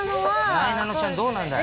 なえなのちゃん、どうなんだい？